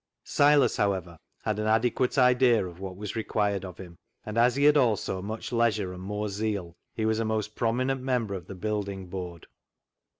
Silas, however, had an adequate idea of what was required of him, and, as he had also much leisure and more zeal, he was a most prominent member of the Building Board.